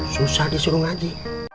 susah disuruh ngaji